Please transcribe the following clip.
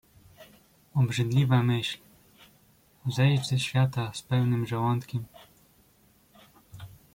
"Obrzydliwa myśl: zejść ze świata z pełnym żołądkiem!"